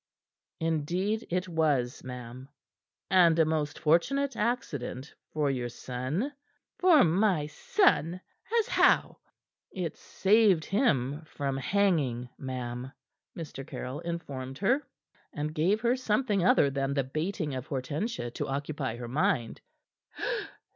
"Indeed it was, ma'am and a most fortunate accident for your son." "For my son? As how?" "It saved him from hanging, ma'am," Mr. Caryll informed her, and gave her something other than the baiting of Hortensia to occupy her mind.